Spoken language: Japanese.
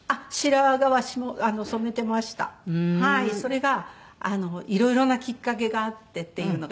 それが色々なきっかけがあってっていうのが。